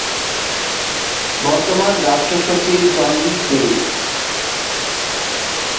বর্তমান রাষ্ট্র সচিব জন কেরি।